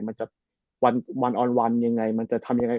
มันจะวันออนวันยังไงมันจะทำยังไง